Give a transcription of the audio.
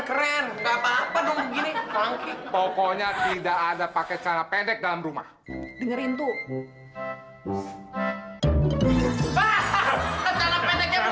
keren nggak apa apa dong begini kaki pokoknya tidak ada pakai cara pendek dalam rumah dengerin